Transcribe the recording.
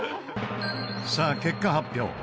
さあ結果発表。